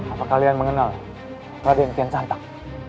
apa kalian mengenal raden kian santak